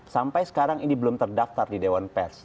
sampai sekarang ini belum terdaftar di dewan pers